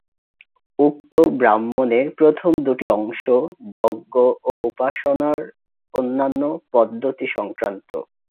উক্ত ব্রাহ্মণের প্রথম দুটি অংশ যজ্ঞ ও উপাসনার অন্যান্য পদ্ধতি সংক্রান্ত।